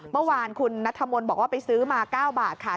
เมื่อวานคุณนัทธมนต์บอกว่าไปซื้อมา๙บาทค่ะ